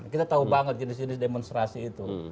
kita tahu banget jenis jenis demonstrasi itu